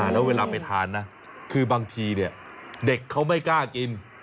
แล้วเวลาไปทานนะคือบางทีเด็กเขาไม่กล้ากิน